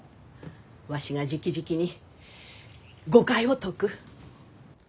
わしがじきじきに誤解を解く。